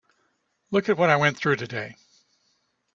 Look at what we went through today.